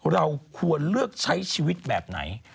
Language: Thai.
เราควรเลือกใช้ชีวิตแบบไหน